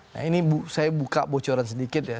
nah ini saya buka bocoran sedikit ya